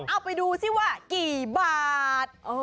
เอาไปดูสิว่ากี่บาท